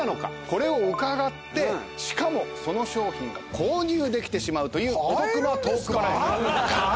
これを伺ってしかもその商品が購入できてしまうというお得なトークバラエティー。